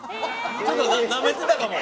ちょっとなめてたかも！